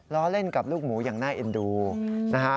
ล้อเล่นกับลูกหมูอย่างน่าเอ็นดูนะฮะ